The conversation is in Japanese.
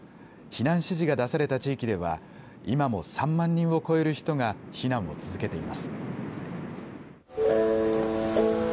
避難指示が出された地域では今も３万人を超える人が避難を続けています。